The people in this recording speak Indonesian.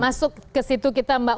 masuk ke situ kita mbak